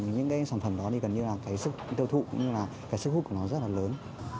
những sản phẩm đó gần như là cái sức hữu của nó rất là lớn